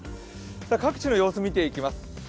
各地の様子を見ていきます。